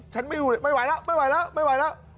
ไม่ไหวไม่ไหวแล้วไม่ไหวแล้วไม่ไหวแล้ว